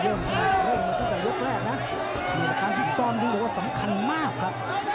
เร่งมาตั้งแต่ยุคแรกนะหลักการที่ซ่อนดูแต่ว่าสำคัญมากครับ